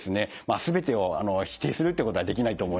全てを否定するっていうことはできないと思うんです。